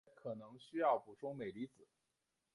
也可能需要补充镁离子。